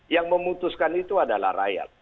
yang memutuskan itu adalah rakyat